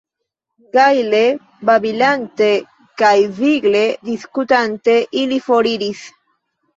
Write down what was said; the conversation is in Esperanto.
Gaje babilante kaj vigle diskutante, ili foriris.